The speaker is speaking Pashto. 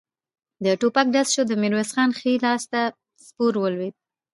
د ټوپک ډز شو، د ميرويس خان ښی لاس ته سپور ولوېد.